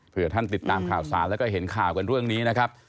เพื่อท่านติดตามข่าวสารแล้วก็เห็นข่าวกันเรื่องนี้นะครับ